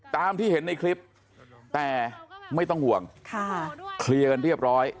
ตามที่เห็นในคลิปแต่ไม่ต้องห่วงเคลียร์กันเรียบร้อย